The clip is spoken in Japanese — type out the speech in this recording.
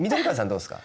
どうですか？